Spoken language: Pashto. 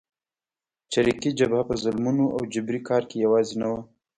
چریکي جبهه په ظلمونو او جبري کار کې یوازې نه وه.